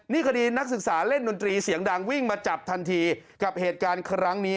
นี่คดีนักศึกษาเล่นดนตรีเสียงดังวิ่งมาจับทันทีกับเหตุการณ์ครั้งนี้